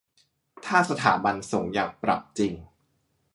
ถ้าสถาบันสงฆ์อยากปรับจริง